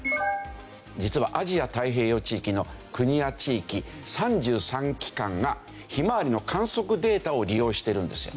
実はアジア太平洋地域の国や地域３３機関がひまわりの観測データを利用してるんですよ。